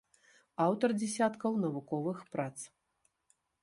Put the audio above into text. Аўтар дзесяткаў навуковых прац.